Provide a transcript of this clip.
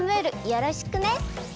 よろしくね。